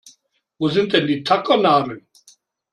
Wo sind denn die Tackernadeln?